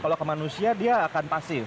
kalau ke manusia dia akan pasif